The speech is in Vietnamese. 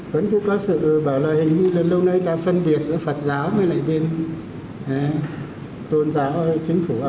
vẫn cứ có sự bảo lời hình như là lâu nay ta phân biệt giữa phật giáo với lại bên tôn giáo chính phủ